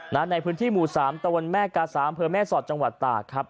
ในพื้นที่หมู่๓ตะวันแม่กาสาอำเภอแม่สอดจังหวัดตากครับ